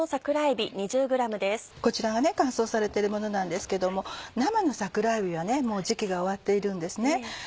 こちらは乾燥されてるものなんですけども生の桜えびはもう時期が終わっているんです。